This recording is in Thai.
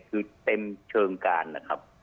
คือเต็มเชิงการนะครับ